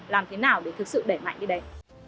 làm thế nào để thực sự đẩy mạnh đi đây